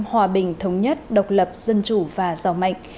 hòa bình thống nhất độc lập dân chủ và giàu mạnh